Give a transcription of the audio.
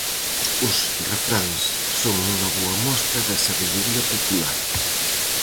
Os refráns son unha boa mostra da sabedoría popular.